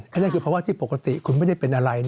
นั่นคือภาวะที่ปกติคุณไม่ได้เป็นอะไร